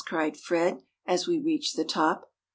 cried Fred, as we reached the top.